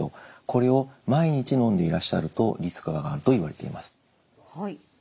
これを毎日飲んでいらっしゃるとリスクが上がるといわれています。